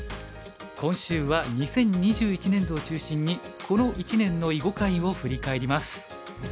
今週は２０２１年度を中心にこの一年の囲碁界を振り返ります。